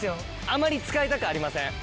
あまり使いたくありません。